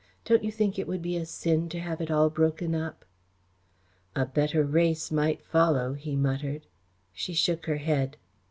"Don't you think it would be a sin to have it all broken up?" "A better race might follow," he muttered. She shook her head.